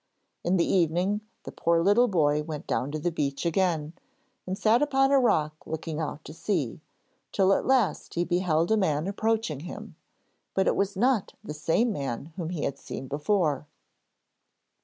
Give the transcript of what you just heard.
In the evening, the poor little boy went down to the beach again, and sat upon a rock looking out to sea, till at last he beheld a man approaching him, but it was not the same man whom he had seen before.